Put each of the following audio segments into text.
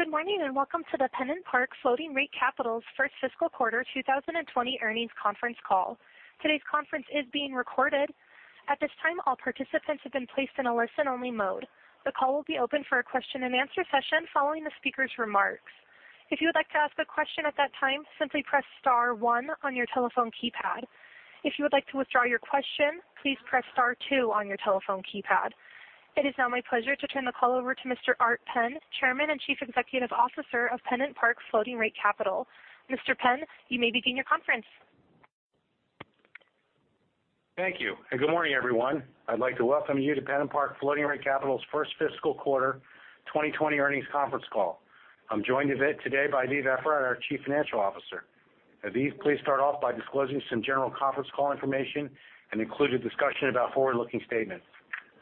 Good morning, and welcome to the PennantPark Floating Rate Capital's first fiscal quarter 2020 earnings conference call. Today's conference is being recorded. At this time, all participants have been placed in a listen-only mode. The call will be open for a question-and-answer session following the speakers' remarks. If you would like to ask a question at that time, simply press star one on your telephone keypad. If you would like to withdraw your question, please press star two on your telephone keypad. It is now my pleasure to turn the call over to Mr. Art Penn, Chairman and Chief Executive Officer of PennantPark Floating Rate Capital. Mr. Penn, you may begin your conference. Thank you. Good morning, everyone. I'd like to welcome you to PennantPark Floating Rate Capital's first fiscal quarter 2020 earnings conference call. I'm joined today by Aviv Efrat, our Chief Financial Officer. Aviv, please start off by disclosing some general conference call information and include a discussion about forward-looking statements.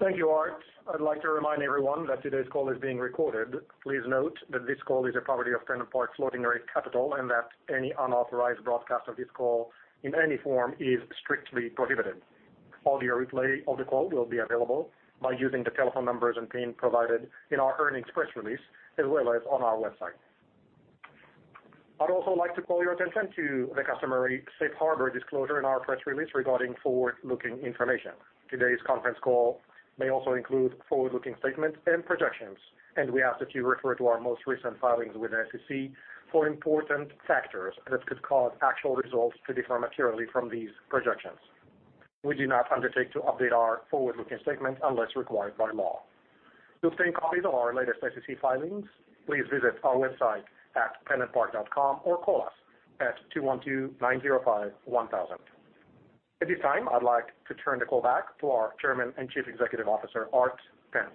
Thank you, Art. I'd like to remind everyone that today's call is being recorded. Please note that this call is a property of PennantPark Floating Rate Capital, and that any unauthorized broadcast of this call in any form is strictly prohibited. Audio replay of the call will be available by using the telephone numbers and PIN provided in our earnings press release, as well as on our website. I'd also like to call your attention to the customary safe harbor disclosure in our press release regarding forward-looking information. Today's conference call may also include forward-looking statements and projections, and we ask that you refer to our most recent filings with the SEC for important factors that could cause actual results to differ materially from these projections. We do not undertake to update our forward-looking statements unless required by law. To obtain copies of our latest SEC filings, please visit our website at pennantpark.com or call us at 212-905-1000. At this time, I'd like to turn the call back to our Chairman and Chief Executive Officer, Art Penn.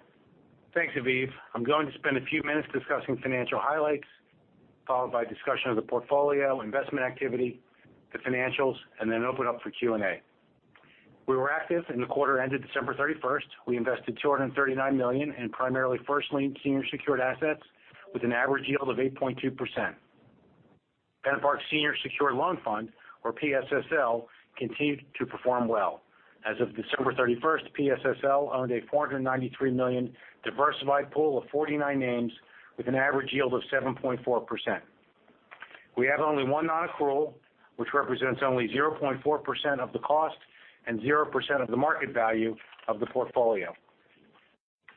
Thanks, Aviv. I'm going to spend a few minutes discussing financial highlights, followed by a discussion of the portfolio, investment activity, the financials, and then open up for Q&A. We were active in the quarter ended December 31st. We invested $239 million in primarily first-lien senior secured assets with an average yield of 8.2%. PennantPark Senior Secured Loan Fund, or PSSL, continued to perform well. As of December 31st, PSSL owned a $493 million diversified pool of 49 names with an average yield of 7.4%. We have only one non-accrual, which represents only 0.4% of the cost and 0% of the market value of the portfolio.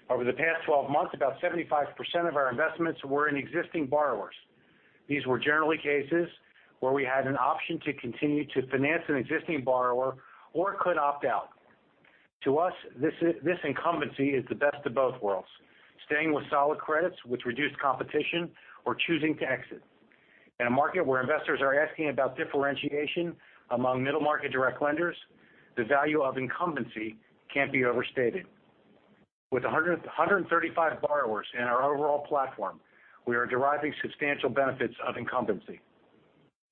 Over the past 12 months, about 75% of our investments were in existing borrowers. These were generally cases where we had an option to continue to finance an existing borrower or could opt-out. To us, this incumbency is the best of both worlds. Staying with solid credits with reduced competition or choosing to exit. In a market where investors are asking about differentiation among middle-market direct lenders, the value of incumbency can't be overstated. With 135 borrowers in our overall platform, we are deriving substantial benefits of incumbency.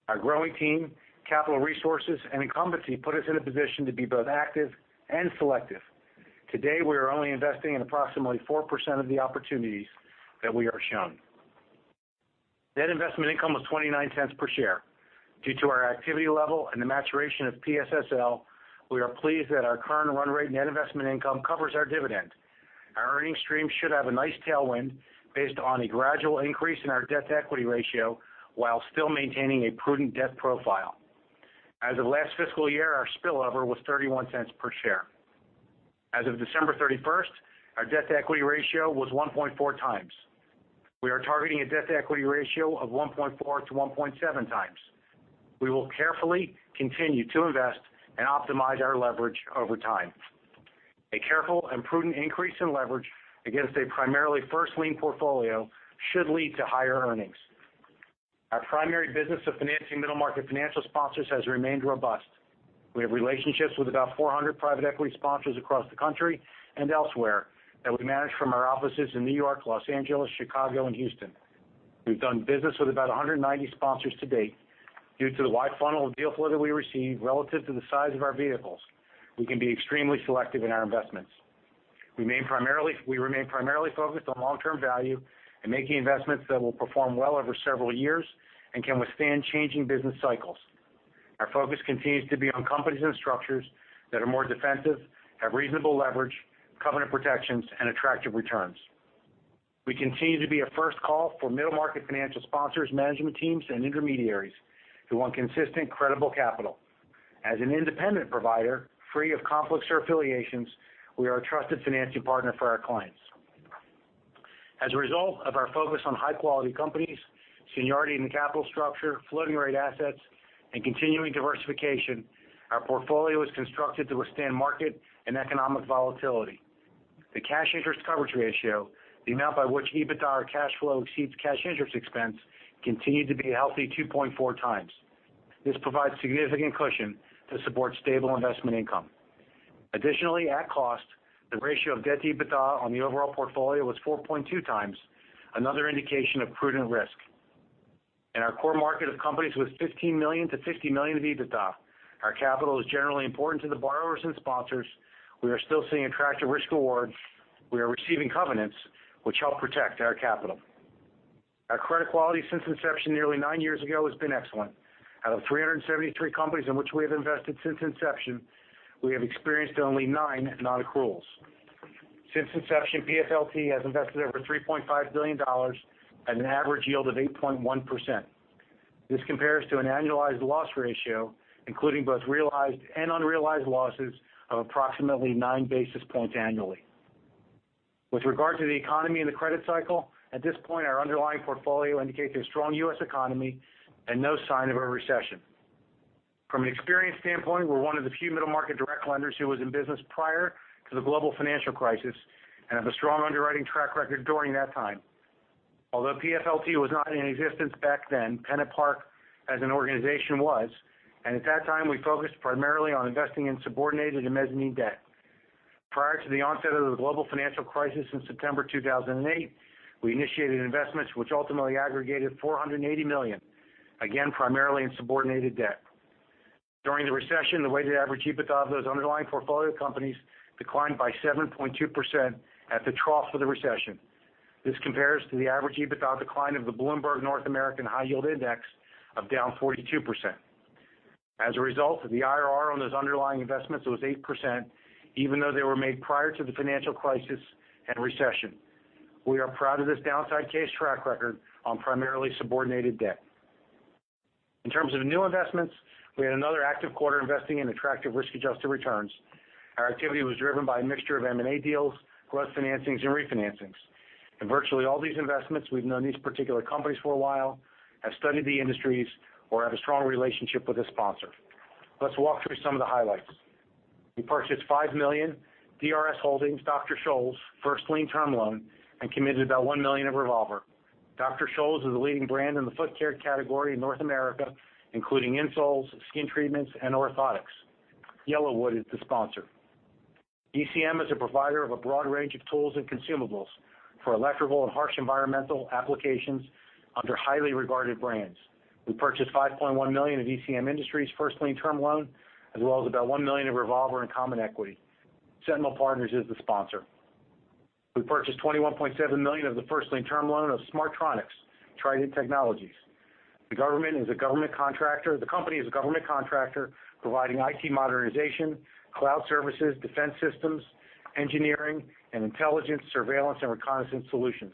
Our growing team, capital resources, and incumbency put us in a position to be both active and selective. Today, we are only investing in approximately 4% of the opportunities that we are shown. Net investment income was $0.29 per share. Due to our activity level and the maturation of PSSL, we are pleased that our current run rate net investment income covers our dividend. Our earnings stream should have a nice tailwind based on a gradual increase in our debt-to-equity ratio while still maintaining a prudent debt profile. As of last fiscal year, our spillover was $0.31 per share. As of December 31st, our debt-to-equity ratio was 1.4 times. We are targeting a debt-to-equity ratio of 1.4 to 1.7 times. We will carefully continue to invest and optimize our leverage over time. A careful and prudent increase in leverage against a primarily first lien portfolio should lead to higher earnings. Our primary business of financing middle-market financial sponsors has remained robust. We have relationships with about 400 private equity sponsors across the country and elsewhere that we manage from our offices in New York, Los Angeles, Chicago, and Houston. We've done business with about 190 sponsors to date. Due to the wide funnel of deal flow that we receive relative to the size of our vehicles, we can be extremely selective in our investments. We remain primarily focused on long-term value and making investments that will perform well over several years and can withstand changing business cycles. Our focus continues to be on companies and structures that are more defensive, have reasonable leverage, covenant protections, and attractive returns. We continue to be a first call for middle-market financial sponsors, management teams, and intermediaries who want consistent, credible capital. As an independent provider, free of conflicts or affiliations, we are a trusted financing partner for our clients. As a result of our focus on high-quality companies, seniority in the capital structure, floating rate assets, and continuing diversification, our portfolio is constructed to withstand market and economic volatility. The cash interest coverage ratio, the amount by which EBITDA or cash flow exceeds cash interest expense, continued to be a healthy 2.4 times. This provides significant cushion to support stable investment income. Additionally, at cost, the ratio of debt-to-EBITDA on the overall portfolio was 4.2 times, another indication of prudent risk. In our core market of companies with $15 million-$50 million of EBITDA, our capital is generally important to the borrowers and sponsors. We are still seeing attractive risk rewards. We are receiving covenants which help protect our capital. Our credit quality since inception nearly nine years ago has been excellent. Out of 373 companies in which we have invested since inception, we have experienced only nine non-accruals. Since inception, PSSL has invested over $3.5 billion at an average yield of 8.1%. This compares to an annualized loss ratio, including both realized and unrealized losses of approximately nine basis points annually. With regard to the economy and the credit cycle, at this point, our underlying portfolio indicates a strong U.S. economy and no sign of a recession. From an experience standpoint, we're one of the few middle market direct lenders who was in business prior to the global financial crisis and have a strong underwriting track record during that time. Although PennantPark Floating Rate was not in existence back then, PennantPark as an organization was, and at that time, we focused primarily on investing in subordinated and mezzanine debt. Prior to the onset of the global financial crisis in September 2008, we initiated investments which ultimately aggregated $480 million, again, primarily in subordinated debt. During the recession, the weighted average EBITDA of those underlying portfolio companies declined by 7.2% at the trough of the recession. This compares to the average EBITDA decline of the Bloomberg U.S. Corporate High Yield Index of down 42%. As a result of the IRR on those underlying investments, it was 8%, even though they were made prior to the global financial crisis. We are proud of this downside case track record on primarily subordinated debt. In terms of new investments, we had another active quarter investing in attractive risk-adjusted returns. Our activity was driven by a mixture of M&A deals, growth financings, and refinancings. In virtually all these investments, we've known these particular companies for a while, have studied the industries or have a strong relationship with the sponsor. Let's walk through some of the highlights. We purchased $5 million DRS Holdings, Dr. Scholl's first lien term loan and committed about $1 million of revolver. Dr. Scholl's is a leading brand in the foot care category in North America, including insoles, skin treatments, and orthotics. Yellow Wood is the sponsor. ECM is a provider of a broad range of tools and consumables for electrical and harsh environmental applications under highly regarded brands. We purchased $5.1 million of ECM Industries first lien term loan, as well as about $1 million of revolver and common equity. Sentinel Partners is the sponsor. We purchased $21.7 million of the first lien term loan of Smartronix, Trident Technologies. The company is a government contractor providing IT modernization, cloud services, defense systems, engineering, and intelligence, surveillance, and reconnaissance solutions.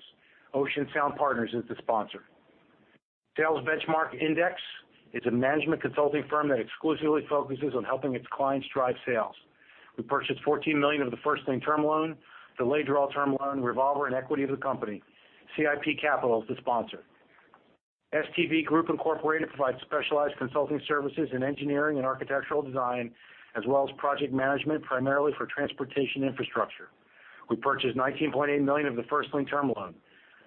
OceanSound Partners is the sponsor. Sales Benchmark Index is a management consulting firm that exclusively focuses on helping its clients drive sales. We purchased $14 million of the first lien term loan, the collateral term loan revolver, and equity of the company. CIP Capital is the sponsor. STV Group Incorporated provides specialized consulting services in engineering and architectural design, as well as project management primarily for transportation infrastructure. We purchased $19.8 million of the first lien term loan.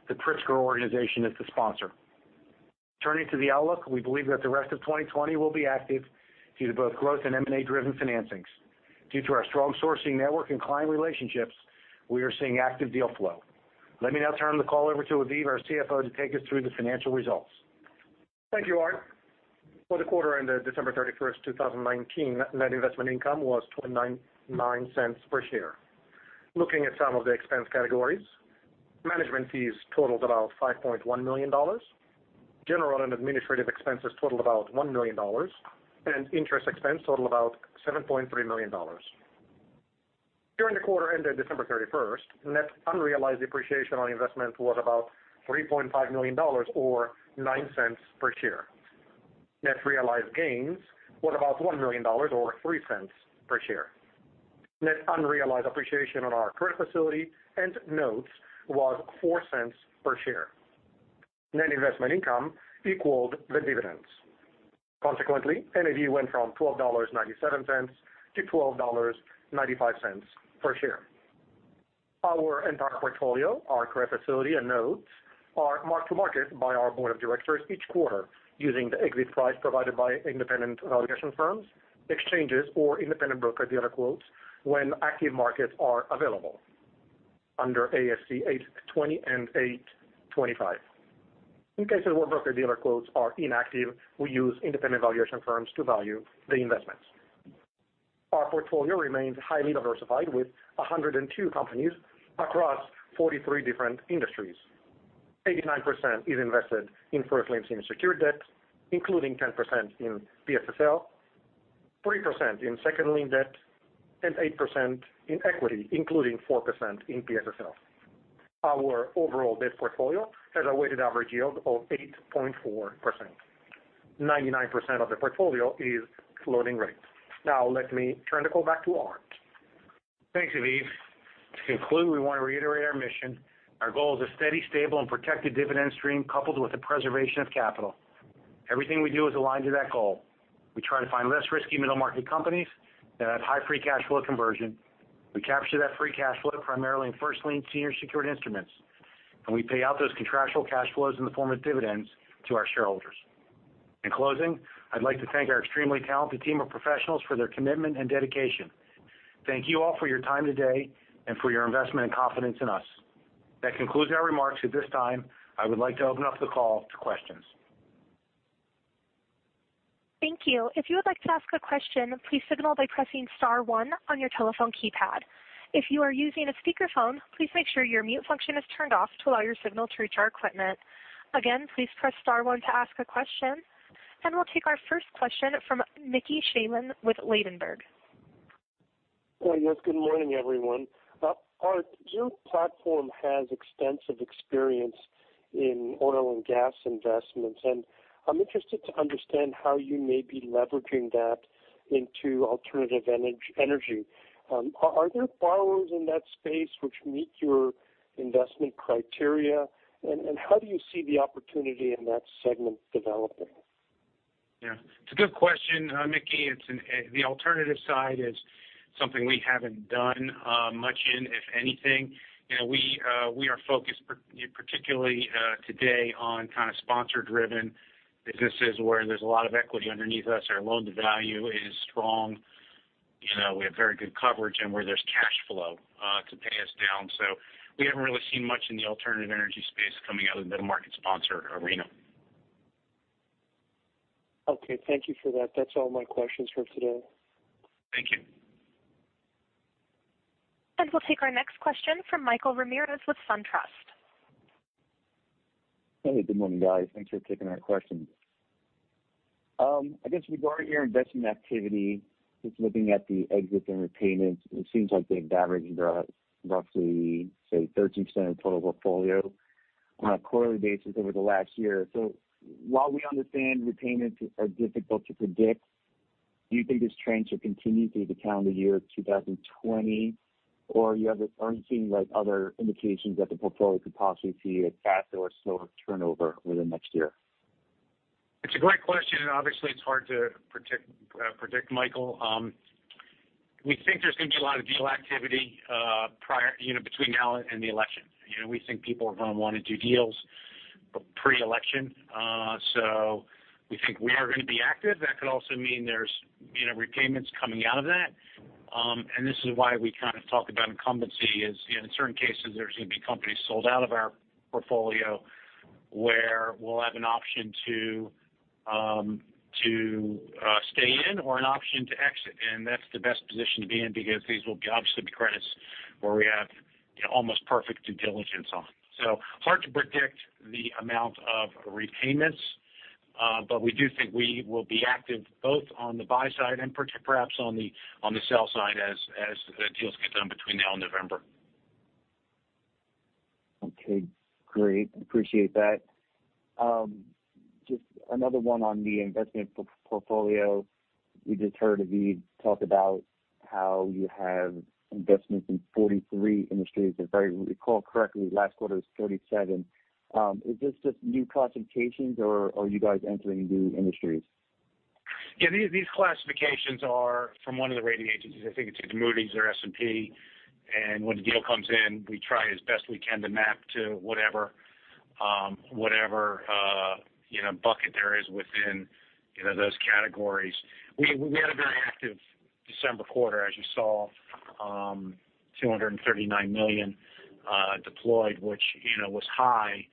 The Pritzker Organization is the sponsor. Turning to the outlook, we believe that the rest of 2020 will be active due to both growth and M&A-driven financings. Due to our strong sourcing network and client relationships, we are seeing active deal flow. Let me now turn the call over to Aviv Efrat, our CFO, to take us through the financial results. Thank you, Art. For the quarter ended December 31st, 2019, net investment income was $0.29 per share. Looking at some of the expense categories, management fees totaled about $5.1 million. General and administrative expenses totaled about $1 million, and interest expense totaled about $7.3 million. During the quarter ended December 31st, net unrealized depreciation on investment was about $3.5 million, or $0.09 per share. Net realized gains were about $1 million, or $0.03 per share. Net unrealized appreciation on our credit facility and notes was $0.04 per share. Net investment income equaled the dividends. Consequently, NAV went from $12.97 to $12.95 per share. Our entire portfolio, our credit facility and notes are marked to market by our board of directors each quarter using the exit price provided by independent valuation firms, exchanges, or independent broker-dealer quotes when active markets are available under ASC 820 and 825. In cases where broker-dealer quotes are inactive, we use independent valuation firms to value the investments. Our portfolio remains highly diversified with 102 companies across 43 different industries. 89% is invested in first lien senior secured debt, including 10% in PSSL, 3% in second lien debt, and 8% in equity, including 4% in PSSL. Our overall debt portfolio has a weighted average yield of 8.4%. 99% of the portfolio is floating rate. Now, let me turn the call back to Art. Thanks, Aviv. To conclude, we want to reiterate our mission. Our goal is a steady, stable, and protected dividend stream coupled with the preservation of capital. Everything we do is aligned to that goal. We try to find less risky middle market companies that have high free cash flow conversion. We capture that free cash flow primarily in first lien senior secured instruments, and we pay out those contractual cash flows in the form of dividends to our shareholders. In closing, I'd like to thank our extremely talented team of professionals for their commitment and dedication. Thank you all for your time today and for your investment and confidence in us. That concludes our remarks. At this time, I would like to open up the call to questions. Thank you. If you would like to ask a question, please signal by pressing star one on your telephone keypad. If you are using a speakerphone, please make sure your mute function is turned off to allow your signal to reach our equipment. Again, please press star one to ask a question, and we'll take our first question from Mickey Schleien with Ladenburg. Well, yes. Good morning, everyone. Art, your platform has extensive experience in oil and gas investments. I'm interested to understand how you may be leveraging that into alternative energy. Are there borrowers in that space which meet your investment criteria? How do you see the opportunity in that segment developing? Yeah, it's a good question, Mickey. The alternative side is something we haven't done much in, if anything. We are focused particularly today on kind of sponsor-driven businesses where there's a lot of equity underneath us, our loan-to-value is strong, we have very good coverage and where there's cash flow to pay us down. We haven't really seen much in the alternative energy space coming out of the middle-market sponsor arena. Okay. Thank you for that. That's all my questions for today. Thank you. We'll take our next question from Michael Ramirez with SunTrust. Hey, good morning, guys. Thanks for taking our questions. I guess regarding your investment activity, just looking at the exits and repayments, it seems like they've averaged about roughly, say, 13% of total portfolio on a quarterly basis over the last year. While we understand repayments are difficult to predict, do you think this trend should continue through the calendar year 2020? Or are you seeing other indications that the portfolio could possibly see a faster or slower turnover over the next year? It's a great question. Obviously, it's hard to predict, Michael. We think there's going to be a lot of deal activity between now and the election. We think people are going to want to do deals pre-election. We think we are going to be active. That could also mean there's repayments coming out of that. This is why we kind of talk about incumbency is, in certain cases, there's going to be companies sold out of our portfolio where we'll have an option to stay in or an option to exit. That's the best position to be in because these will obviously be credits where we have almost perfect due diligence on. Hard to predict the amount of repayments. We do think we will be active both on the buy side and perhaps on the sell side as deals get done between now and November. Okay, great. Appreciate that. Just another one on the investment portfolio. We just heard Aviv talk about how you have investments in 43 industries. If I recall correctly, last quarter was 37. Is this just new classifications or are you guys entering new industries? Yeah, these classifications are from one of the rating agencies. I think it's either Moody's or S&P. When a deal comes in, we try as best we can to map to whatever bucket there is within those categories. We had a very active December quarter, as you saw, $239 million deployed, which was high.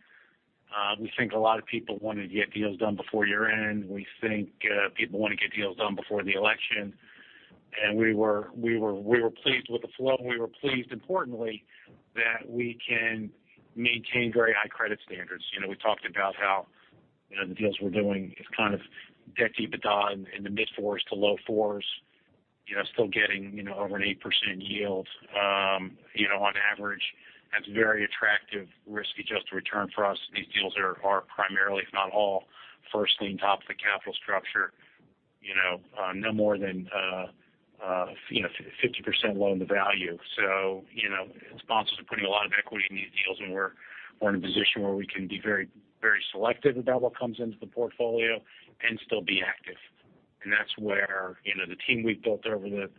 We think a lot of people wanted to get deals done before year-end. We think people want to get deals done before the election. We were pleased with the flow. We were pleased, importantly, that we can maintain very high credit standards. We talked about how the deals we're doing is kind of debt EBITDA in the mid-fours to low fours, still getting over an 8% yield on average. That's very attractive, risky, just the return for us. These deals are primarily, if not all, first lien top of the capital structure no more than 50% loan-to-value. Sponsors are putting a lot of equity in these deals, and we're in a position where we can be very selective about what comes into the portfolio and still be active. That's where the team we've built over the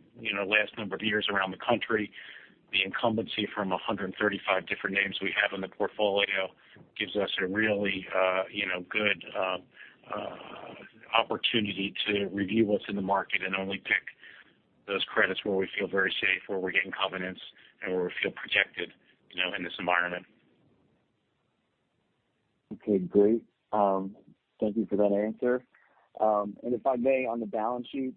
last number of years around the country, the incumbency from 135 different names we have in the portfolio gives us a really good opportunity to review what's in the market and only pick those credits where we feel very safe, where we're getting covenants, and where we feel protected in this environment. Okay, great. Thank you for that answer. If I may, on the balance sheet,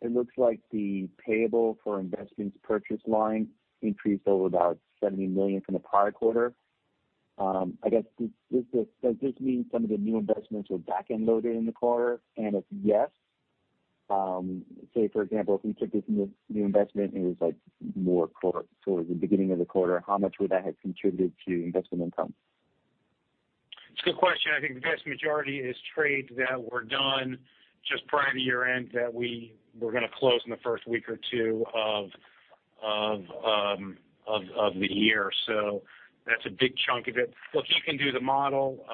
it looks like the payable for investments purchase line increased over about $70 million from the prior quarter. I guess, does this mean some of the new investments were back-end loaded in the quarter? If yes, say for example, if we took this new investment and it was more towards the beginning of the quarter, how much would that have contributed to investment income? It's a good question. I think the vast majority is trades that were done just prior to year-end that we were going to close in the first week or two of the year. That's a big chunk of it. Look, you can do the model.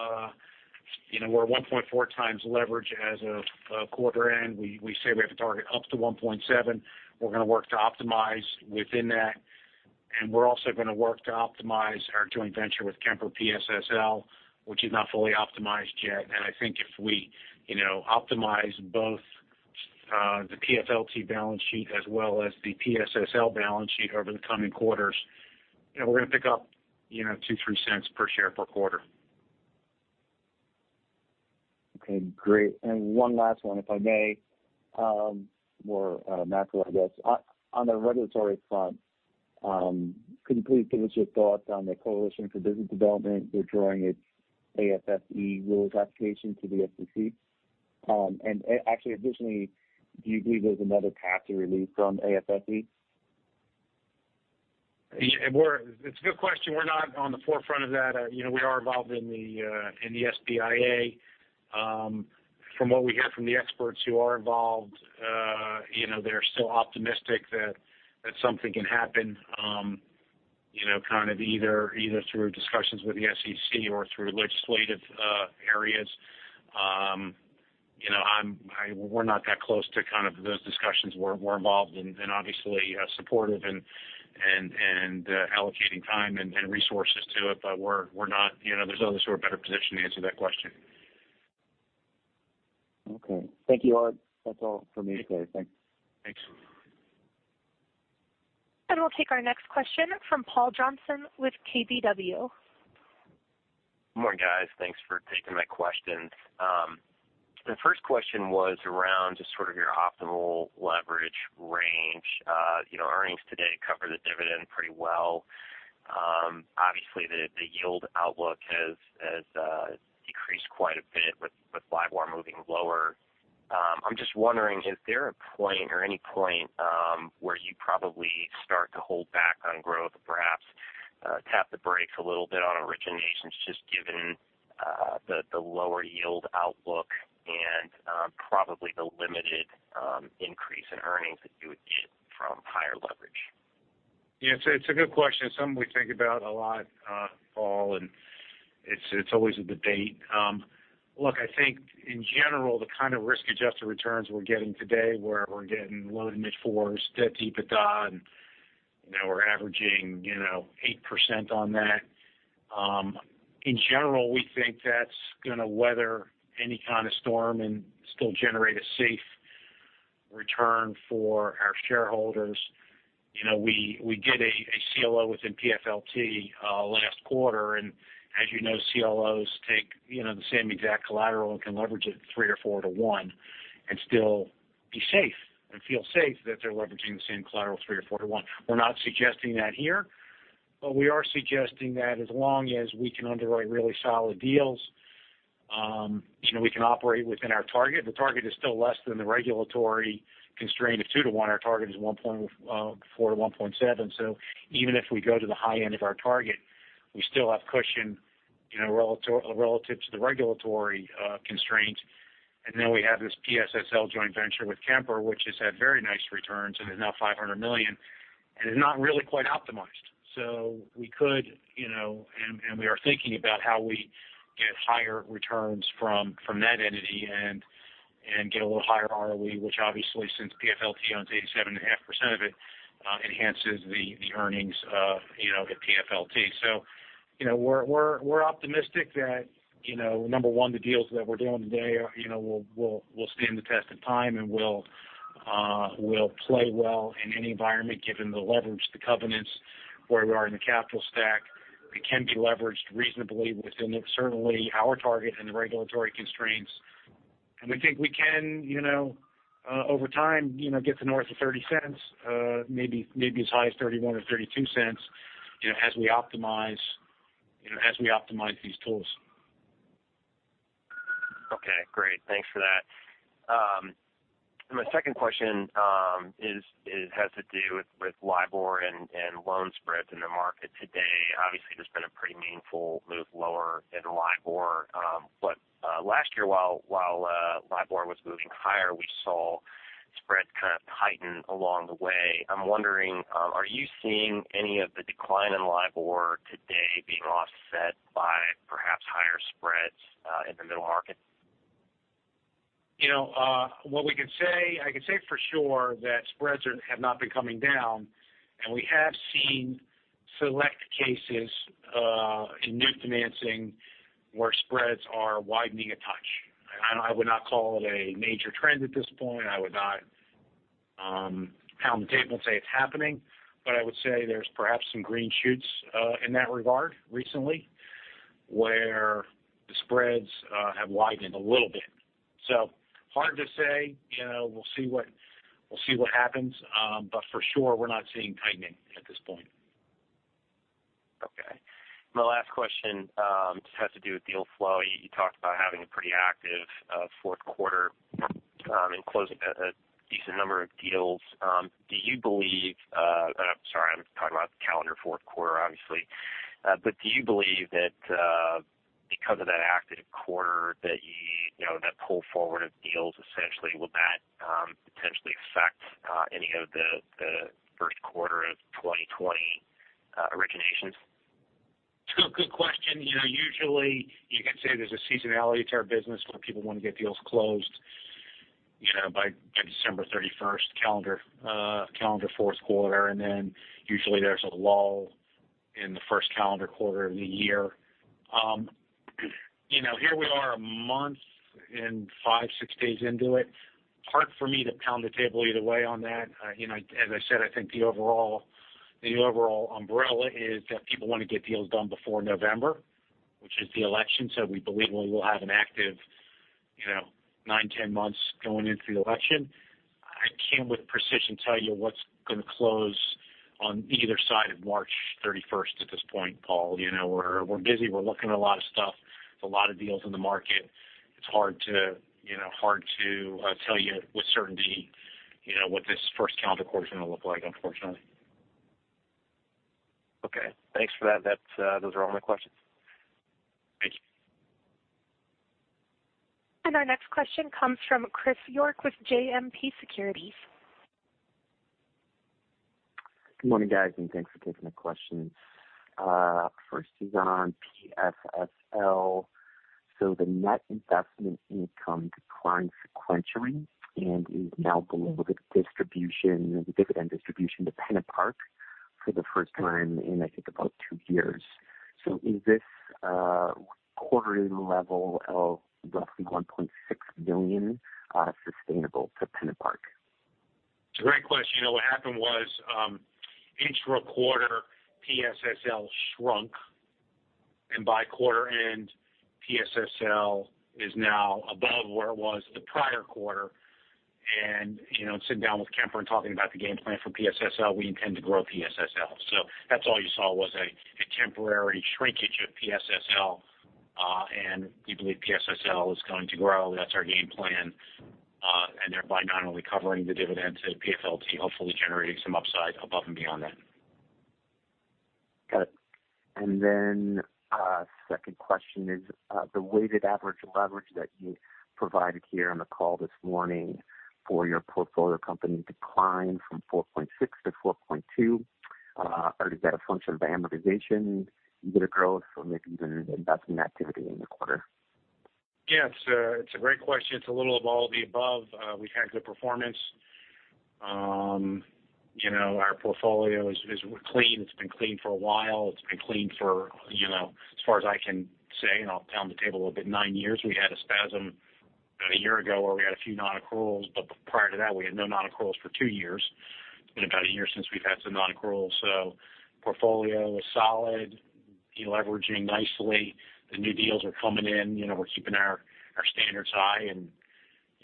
We're 1.4 times leverage as of quarter end. We say we have a target up to 1.7. We're going to work to optimize within that, and we're also going to work to optimize our joint venture with Kemper PSSL, which is not fully optimized yet. I think if we optimize both the PFLT balance sheet as well as the PSSL balance sheet over the coming quarters, we're going to pick up $0.02, $0.03 per share per quarter. Okay, great. One last one, if I may. More macro, I guess. On the regulatory front, could you please give us your thoughts on the Coalition for Business Development withdrawing its AFFE rules application to the SEC? Actually additionally, do you believe there's another path to relief from AFFE? It's a good question. We're not on the forefront of that. We are involved in the SBIA. From what we hear from the experts who are involved, they're still optimistic that something can happen, kind of either through discussions with the SEC or through legislative areas. We're not that close to those discussions. We're involved in, and obviously supportive and allocating time and resources to it. There's others who are better positioned to answer that question. Okay. Thank you, Art. That's all for me today. Thanks. Thanks. We'll take our next question from Paul Johnson with KBW. Good morning, guys. Thanks for taking my question. The first question was around just sort of your optimal leverage range. Earnings today cover the dividend pretty well. Obviously, the yield outlook has decreased quite a bit with LIBOR moving lower. I'm just wondering, is there a point or any point, where you probably start to hold back on growth, perhaps tap the brakes a little bit on originations, just given the lower yield outlook and probably the limited increase in earnings that you would get from higher leverage? It's a good question. Something we think about a lot, Paul. It's always a debate. I think in general, the kind of risk-adjusted returns we're getting today, where we're getting low to mid 4s debt EBITDA. We're averaging 8% on that. In general, we think that's going to weather any kind of storm and still generate a safe return for our shareholders. We did a CLO within PFLT last quarter. As you know, CLOs take the same exact collateral and can leverage it 3 or 4 to one and still be safe and feel safe that they're leveraging the same collateral 3 or 4 to one. We're not suggesting that here. We are suggesting that as long as we can underwrite really solid deals, we can operate within our target. The target is still less than the regulatory constraint of two to one. Our target is 1.4 to 1.7. Even if we go to the high end of our target, we still have cushion relative to the regulatory constraint. We have this PSSL joint venture with Kemper, which has had very nice returns and is now $500 million and is not really quite optimized. We could and we are thinking about how we get higher returns from that entity and get a little higher ROE, which obviously since PFLT owns 87.5% of it enhances the earnings of the PFLT. We're optimistic that number 1, the deals that we're doing today will stand the test of time and will play well in any environment, given the leverage, the covenants, where we are in the capital stack. It can be leveraged reasonably within certainly our target and the regulatory constraints. We think we can over time get to north of $0.30, maybe as high as $0.31 or $0.32 as we optimize these tools. Okay, great. Thanks for that. My second question has to do with LIBOR and loan spreads in the market today. Obviously, there's been a pretty meaningful move lower in LIBOR. Last year, while LIBOR was moving higher, we saw spreads kind of tighten along the way. I'm wondering, are you seeing any of the decline in LIBOR today being offset by perhaps higher spreads in the middle market? What we can say, I can say for sure that spreads have not been coming down. We have seen select cases in new financing where spreads are widening a touch. I would not call it a major trend at this point. I would not pound the table and say it's happening. I would say there's perhaps some green shoots in that regard recently, where the spreads have widened a little bit. Hard to say. We'll see what happens. For sure, we're not seeing tightening at this point. Okay. My last question just has to do with deal flow. You talked about having a pretty active fourth quarter and closing a decent number of deals. I'm sorry, I'm talking about the calendar fourth quarter, obviously. Do you believe that because of that active quarter that pull forward of deals essentially, will that potentially affect any of the first quarter of 2020 originations? It's a good question. Usually you can say there's a seasonality to our business where people want to get deals closed by December 31st, calendar fourth quarter, and then usually there's a lull in the first calendar quarter of the year. Here we are a month and five, six days into it. Hard for me to pound the table either way on that. As I said, I think the overall umbrella is that people want to get deals done before November, which is the election. We believe we'll have an active nine, 10 months going into the election. I can't with precision tell you what's going to close on either side of March 31st at this point, Paul. We're busy. We're looking at a lot of stuff. There's a lot of deals in the market. It's hard to tell you with certainty what this first calendar quarter is going to look like, unfortunately. Okay. Thanks for that. Those are all my questions. Thank you. Our next question comes from Chris York with JMP Securities. Good morning, guys, thanks for taking the questions. First is on PSSL. The net investment income declined sequentially and is now below the distribution, the dividend distribution to PennantPark for the first time in, I think, about two years. Is this quarterly level of roughly $1.6 million sustainable for PennantPark? It's a great question. What happened was, intra-quarter, PSSL shrunk, and by quarter end, PSSL is now above where it was the prior quarter. Sitting down with Kemper and talking about the game plan for PSSL, we intend to grow PSSL. That's all you saw was a temporary shrinkage of PSSL. We believe PSSL is going to grow. That's our game plan, thereby not only covering the dividends at PFLT, hopefully generating some upside above and beyond that. Got it. Second question is, the weighted average leverage that you provided here on the call this morning for your portfolio company declined from 4.6-4.2. Is that a function of amortization, either growth or maybe even investment activity in the quarter? Yeah, it's a great question. It's a little of all the above. We've had good performance. Our portfolio is clean. It's been clean for a while. It's been clean for, as far as I can say, and I'll pound the table a little bit, nine years. We had a spasm about a year ago where we had a few non-accruals, but prior to that, we had no non-accruals for two years. It's been about a year since we've had some non-accruals. The portfolio is solid, de-leveraging nicely. The new deals are coming in. We're keeping our standards high and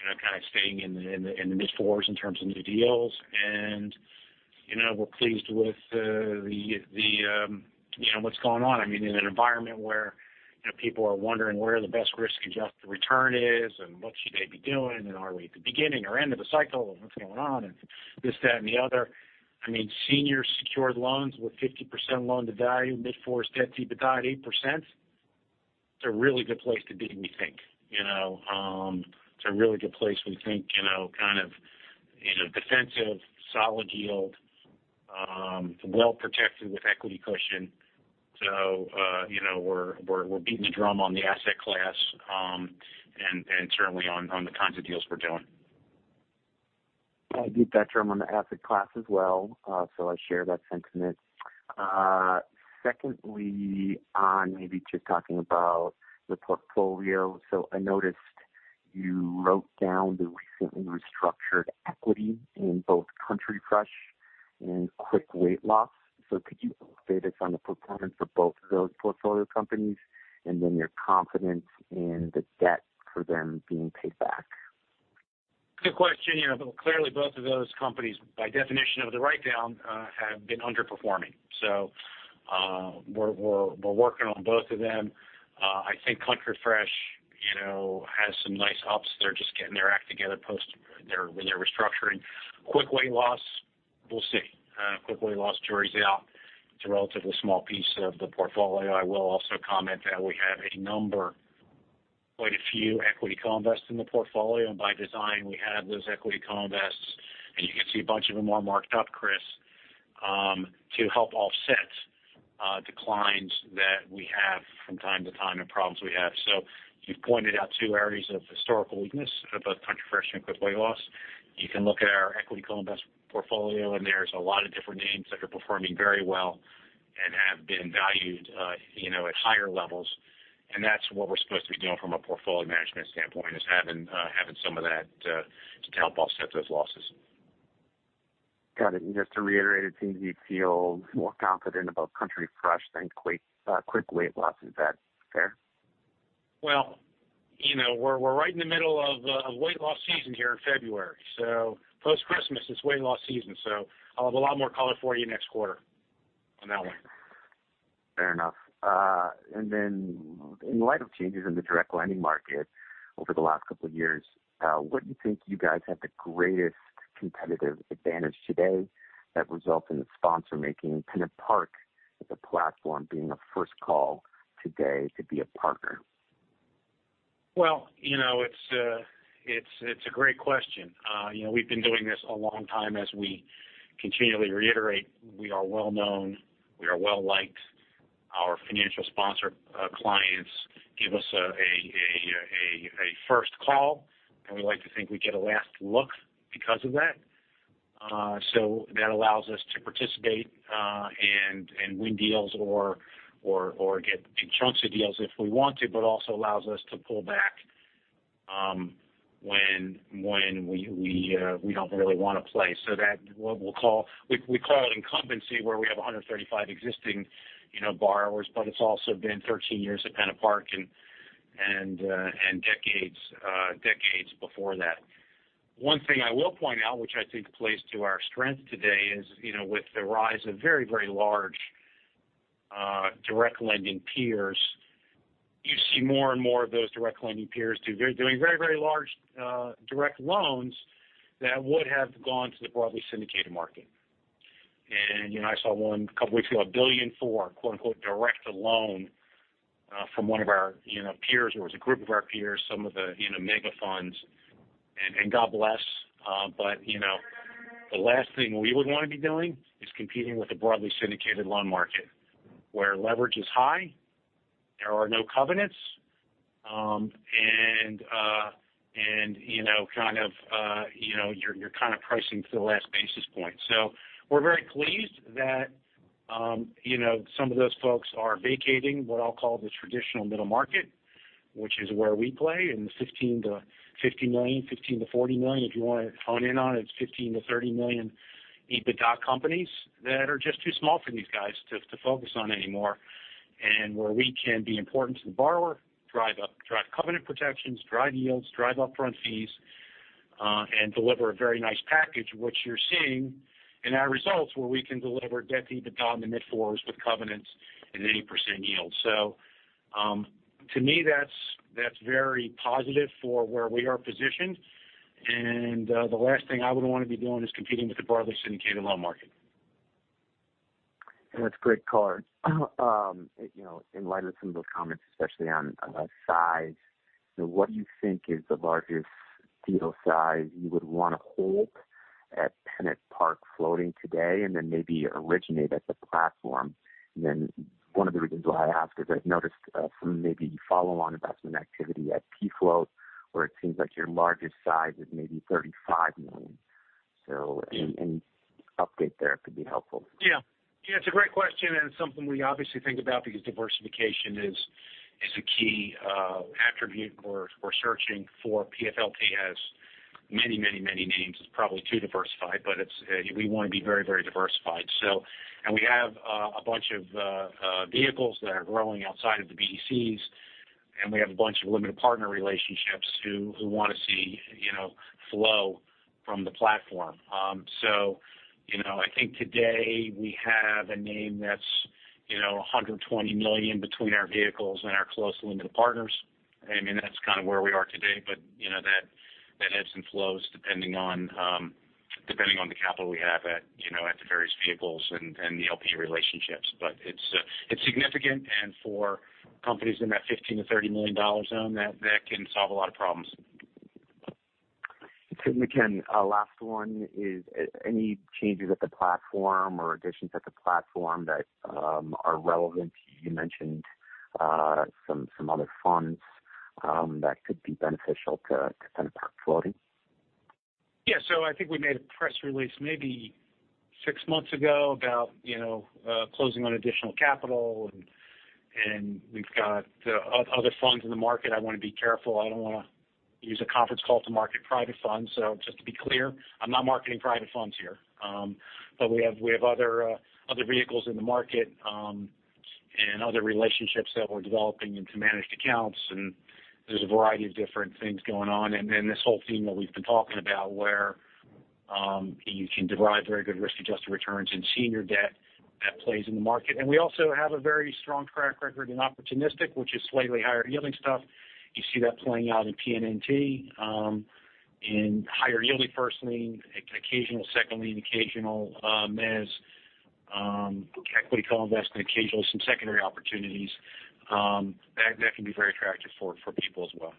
kind of staying in the mid-fours in terms of new deals. We're pleased with what's going on. I mean, in an environment where people are wondering where the best risk-adjusted return is and what should they be doing, and are we at the beginning or end of a cycle, and what's going on, and this, that, and the other. I mean, senior secured loans with 50% loan-to-value, mid-four debt EBITDA at 8%, it's a really good place to be, we think. It's a really good place, we think. Kind of defensive, solid yield, well-protected with equity cushion. We're beating the drum on the asset class, and certainly on the kinds of deals we're doing. I beat that drum on the asset class as well. I share that sentiment. Secondly, on maybe just talking about the portfolio. I noticed you wrote down the recently restructured equity in both Country Fresh and Quick Weight Loss. Could you update us on the performance of both of those portfolio companies and then your confidence in the debt for them being paid back? Good question. Clearly both of those companies, by definition of the write-down, have been underperforming. We're working on both of them. I think Country Fresh has some nice ups. They're just getting their act together post when they were restructuring. Quick Weight Loss, we'll see. Quick Weight Loss jury's out. It's a relatively small piece of the portfolio. I will also comment that we have a number, quite a few equity co-invests in the portfolio. By design, we have those equity co-invests, and you can see a bunch of them are marked up, Chris, to help offset declines that we have from time to time and problems we have. You've pointed out two areas of historical weakness of both Country Fresh and Quick Weight Loss. You can look at our equity co-invest portfolio, and there's a lot of different names that are performing very well and have been valued at higher levels. That's what we're supposed to be doing from a portfolio management standpoint, is having some of that to help offset those losses. Got it. Just to reiterate it seems you feel more confident about Country Fresh than Quick Weight Loss. Is that fair? Well, we're right in the middle of weight loss season here in February. Post-Christmas, it's weight loss season. I'll have a lot more color for you next quarter on that one. Fair enough. In light of changes in the direct lending market over the last couple of years, what do you think you guys have the greatest competitive advantage today that results in the sponsor making PennantPark as a platform being a first call today to be a partner? Well, it's a great question. We've been doing this a long time. As we continually reiterate, we are well known. We are well-liked. Our financial sponsor clients give us a first call, and we like to think we get a last look because of that. That allows us to participate, and win deals or get chunks of deals if we want to, but also allows us to pull back when we don't really want to play. That what we call it incumbency where we have 135 existing borrowers, but it's also been 13 years at PennantPark and decades before that. One thing I will point out, which I think plays to our strength today, is with the rise of very, very large direct lending peers, you see more and more of those direct lending peers too. They're doing very, very large direct loans that would have gone to the broadly syndicated market. I saw one a couple of weeks ago, $1 billion for a quote-unquote "direct loan," from one of our peers, or it was a group of our peers, some of the mega funds. God bless. The last thing we would want to be doing is competing with the broadly syndicated loan market, where leverage is high, there are no covenants, and you're pricing for the last basis point. We're very pleased that some of those folks are vacating what I'll call the traditional middle market, which is where we play in the $15 million-$50 million, $15 million-$40 million. If you want to hone in on it's $15 million-$30 million EBITDA companies that are just too small for these guys to focus on anymore. Where we can be important to the borrower, drive up covenant protections, drive yields, drive upfront fees, and deliver a very nice package, which you're seeing in our results, where we can deliver debt to EBITDA in the mid-4s with covenants and 8% yields. To me, that's very positive for where we are positioned. The last thing I would want to be doing is competing with the broadly syndicated loan market. That's great, Art. In light of some of those comments, especially on size, what do you think is the largest deal size you would want to hold at PennantPark Floating today, and then maybe originate at the platform? One of the reasons why I ask is I've noticed some maybe follow-on investment activity at PFLT, where it seems like your largest size is maybe $35 million. Any update there could be helpful. It's a great question. It's something we obviously think about because diversification is a key attribute we're searching for. PFLT has many names. It's probably too diversified, but we want to be very diversified. We have a bunch of vehicles that are growing outside of the BDCs, and we have a bunch of limited partner relationships who want to see flow from the platform. I think today we have a name that's $120 million between our vehicles and our close limited partners. That's kind of where we are today. That ebbs and flows depending on the capital we have at the various vehicles and the LP relationships. It's significant. For companies in that $15 million-$30 million zone, that can solve a lot of problems. Tim McKenn, last one is any changes at the platform or additions at the platform that are relevant? You mentioned some other funds that could be beneficial to PennantPark Floating. Yeah. I think we made a press release maybe six months ago about closing on additional capital, and we've got other funds in the market. I want to be careful. I don't want to use a conference call to market private funds. Just to be clear, I'm not marketing private funds here. We have other vehicles in the market, and other relationships that we're developing into managed accounts, and there's a variety of different things going on. Then this whole theme that we've been talking about where you can derive very good risk-adjusted returns in senior debt that plays in the market. We also have a very strong track record in opportunistic, which is slightly higher-yielding stuff. You see that playing out in PNNT, in higher yielding first lien, occasional second lien, occasional mezz, equity co-invest and occasionally some secondary opportunities. That can be very attractive for people as well.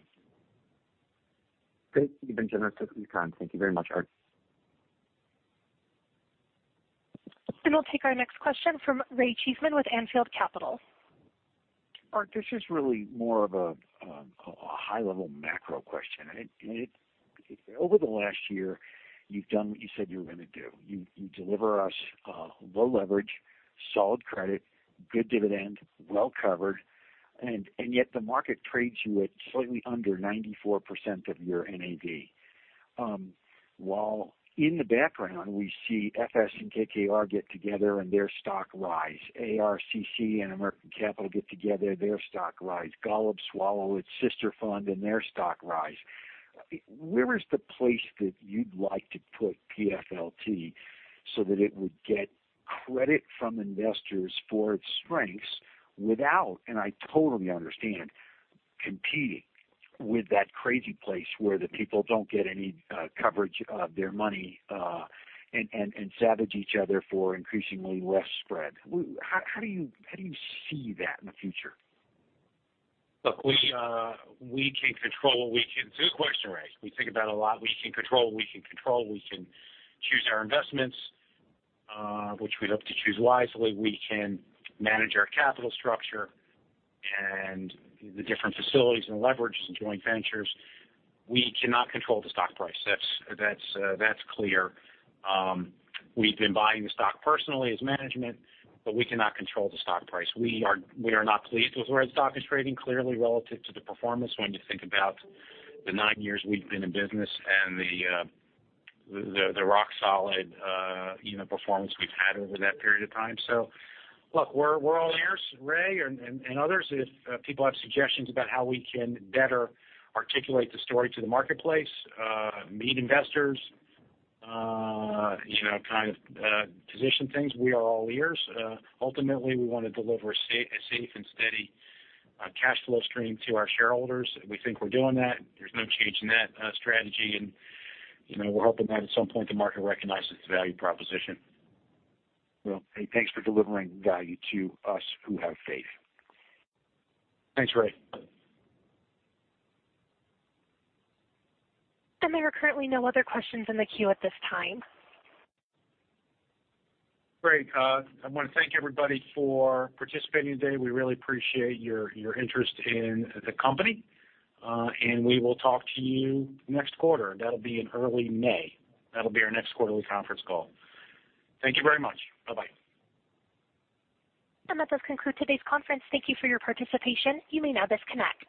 Great. You've been generous with your time. Thank you very much, Art. We'll take our next question from Ray Cheesman with Anfield Capital. Art, this is really more of a high-level macro question. Over the last year, you've done what you said you were going to do. You deliver us low leverage, solid credit, good dividend, well-covered, and yet the market trades you at slightly under 94% of your NAV. While in the background, we see FS and KKR get together and their stock rise. ARCC and American Capital get together, their stock rise. Golub swallow its sister fund, and their stock rise. Where is the place that you'd like to put PFLT so that it would get credit from investors for its strengths without, and I totally understand, competing with that crazy place where the people don't get any coverage of their money and savage each other for increasingly less spread? How do you see that in the future? Look, we can control what we can do. Good question, Ray. We think about it a lot. We can control what we can control. We can choose our investments, which we'd hope to choose wisely. We can manage our capital structure and the different facilities and leverages and joint ventures. We cannot control the stock price. That's clear. We've been buying the stock personally as management, but we cannot control the stock price. We are not pleased with where the stock is trading, clearly, relative to the performance when you think about the nine years we've been in business and the rock-solid performance we've had over that period of time. Look, we're all ears. Ray and others, if people have suggestions about how we can better articulate the story to the marketplace, meet investors, position things, we are all ears. Ultimately, we want to deliver a safe and steady cash flow stream to our shareholders. We think we're doing that. There's no change in that strategy. We're hoping that at some point the market recognizes the value proposition. Well, hey, thanks for delivering value to us who have faith. Thanks, Ray. There are currently no other questions in the queue at this time. Great. I want to thank everybody for participating today. We really appreciate your interest in the company. We will talk to you next quarter. That'll be in early May. That'll be our next quarterly conference call. Thank you very much. Bye-bye. That does conclude today's conference. Thank you for your participation. You may now disconnect.